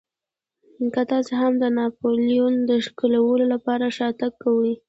که تاسې هم د ناپلیون د ښکېلولو لپاره شاتګ کوئ.